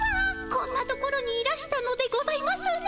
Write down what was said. こんな所にいらしたのでございますね。